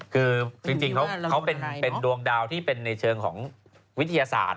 คือจริงเขาเป็นดวงดาวที่เป็นในเชิงของวิทยาศาสตร์